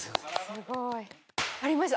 すごい。ありました。